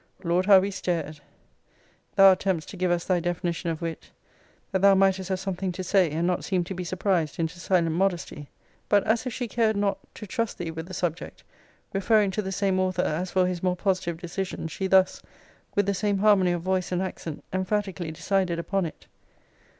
Lord, how we stared! Thou attemptedst to give us thy definition of wit, that thou mightest have something to say, and not seem to be surprised into silent modesty. But as if she cared not to trust thee with the subject, referring to the same author as for his more positive decision, she thus, with the same harmony of voice and accent, emphatically decided upon it.